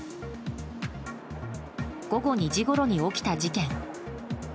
午後２時ごろに起きた事件。